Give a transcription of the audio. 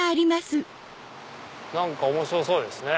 何か面白そうですね。